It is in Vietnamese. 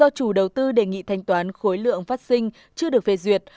do chủ đầu tư đề nghị thanh toán khối lượng phát sinh chưa được phê duyệt